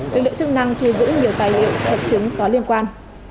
được lượng chức năng thu giữ nhiều tài liệu và hợp chứng có liên quan